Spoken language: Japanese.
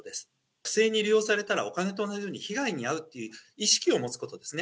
不正に利用されたらお金と同じように被害に遭うっていう意識を持つことですね。